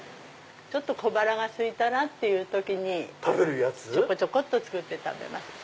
小腹がすいたらっていう時にちょこちょこ作って食べます。